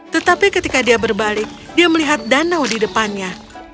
tetapi ketika dia berbalik dia melihat danau di depannya